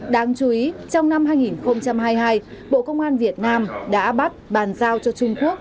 đáng chú ý trong năm hai nghìn hai mươi hai bộ công an việt nam đã bắt bàn giao cho trung quốc